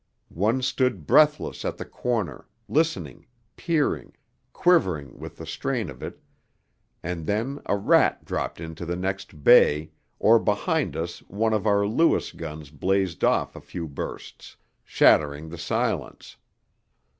One stood breathless at the corner, listening, peering, quivering with the strain of it, and then a rat dropped into the next 'bay,' or behind us one of our Lewis guns blazed off a few bursts, shattering the silence.